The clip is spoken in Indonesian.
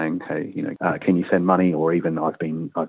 yang terjadi di dalam keadaan yang terasa terbiasa